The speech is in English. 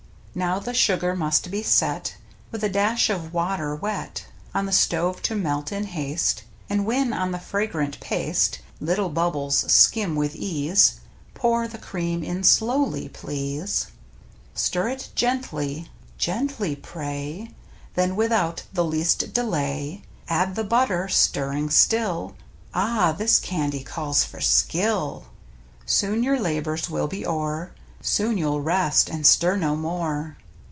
Now the sugar must be set. With a dash of water wet, On the stove to melt in haste. And when on the fragrant paste Little bubbles skim with ease. Pour the cream in slowly, please. Stir it gently — gently, pray — Then without the least delay Add the butter, stiri'ing still (Ah! this candy calls for skill). Soon your labors will be o'er, Soon you'll rest and stir no more.